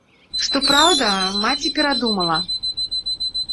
Што праўда, маці перадумала.